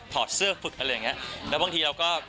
อดเสื้อฝึกอะไรอย่างเงี้ยแล้วบางทีเราก็